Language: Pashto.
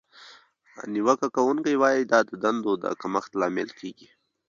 نیوکه کوونکې وایي چې دا د دندو د کمښت لامل کیږي.